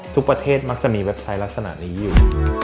ทุกประเทศมักจะมีเว็บไซต์ลักษณะนี้อยู่